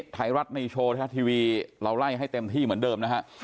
ไทยรัฐนิวโชว์ไทยรัฐทีวีเราไล่ให้เต็มที่เหมือนเดิมนะฮะ